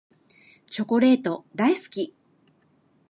チョコレート大好き。